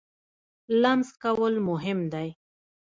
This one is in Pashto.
لمس کول مهم دی.